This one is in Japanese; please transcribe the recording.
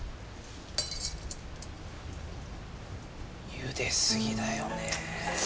ゆで過ぎだよね。